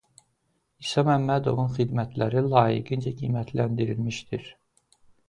İsa Məmmədovun xidmətləri layiqincə qiymətləndirilmişdir.